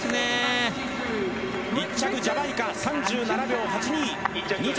１着ジャマイカ３７秒８２２着